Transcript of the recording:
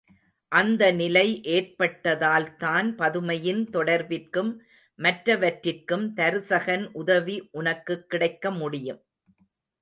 அந்த நிலை ஏற்பட்டால்தான் பதுமையின் தொடர்பிற்கும், மற்றவற்றிற்கும் தருசகன் உதவி உனக்குக் கிடைக்க முடியும்.